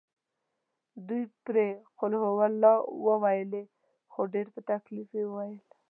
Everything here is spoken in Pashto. دوی پرې قل هوالله وویلې خو هغه په تکلیف وویل.